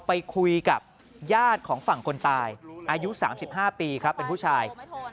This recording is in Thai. ไปคุยกับญาติของฝั่งคนตายอายุ๓๕ปีครับเป็นผู้ชาย